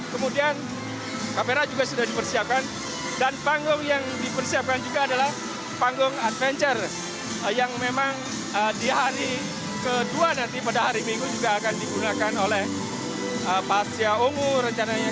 kemudian kamera juga sudah dipersiapkan dan panggung yang dipersiapkan juga adalah panggung adventure yang memang di hari kedua nanti pada hari minggu juga akan digunakan oleh passia ungu rencananya